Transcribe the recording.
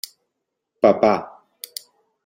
Papà.